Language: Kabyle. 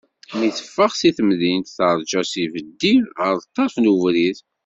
Mi teffeɣ seg temdint, terǧa s yibeddi ɣer ṭṭerf n ubrid.